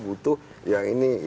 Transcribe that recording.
butuh yang ini